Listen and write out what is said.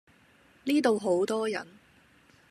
呢度好多人